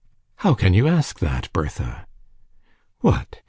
"How can you ask that, Bertha?" "What!